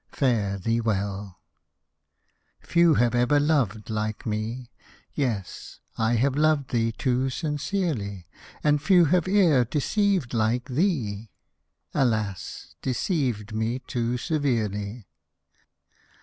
Fare thee well. Hosted by Google SONG 69 Few have ever loved like me, — Yes, I have loved thee too sincerely I And few have e'er deceived like thee, — Alas ! deceived me too severely.